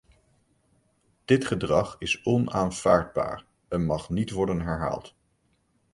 Dit gedrag is onaanvaardbaar en mag niet worden herhaald.